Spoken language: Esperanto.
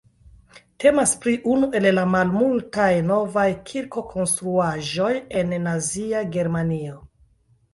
Temas pri unu el la malmultaj novaj kirkkonstruaĵoj en Nazia Germanio.